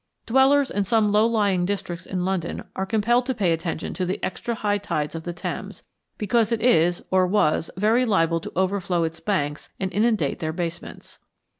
Dwellers in some low lying districts in London are compelled to pay attention to the extra high tides of the Thames, because it is, or was, very liable to overflow its banks and inundate their basements.